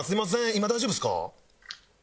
今大丈夫ですか？